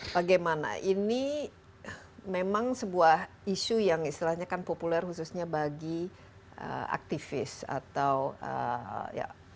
bagaimana ini memang sebuah isu yang istilahnya kan populer khususnya bagi aktivis atau ya